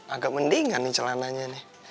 agak mendingan nih celananya nih